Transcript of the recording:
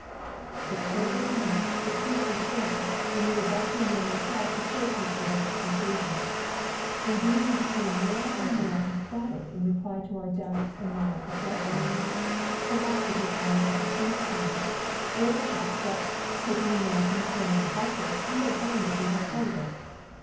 But terrible or not, the truth was so; and neither Betsy nor myself could shake Mr. Rigg's conclusion. Indeed, he became more and more emphatic, in reply to our doubts and mild suggestions, perhaps that his eyes had deceived him, or perhaps that, taking a nap in the corner of the buttress, he had dreamed at least a part of it.